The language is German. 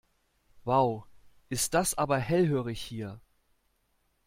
Wow, ist das aber hellhörig hier.